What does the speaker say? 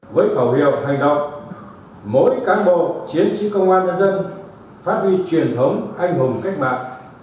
với khẩu hiệu hành động mỗi cán bộ chiến sĩ công an nhân dân phát huy truyền thống anh hùng cách mạng